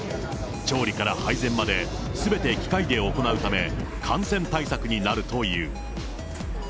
調理から配膳まですべて機械で行うため、感染対策になるという。